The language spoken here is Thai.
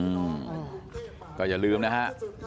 อืมก็อย่าลืมนะฮะ